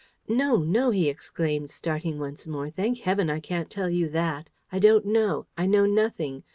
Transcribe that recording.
"No, no!" he exclaimed, starting once more. "Thank heaven, I can't tell you that! I don't know. I know nothing.